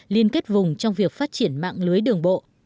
liên kết vùng trong việc phát triển mạng lưới đường bộ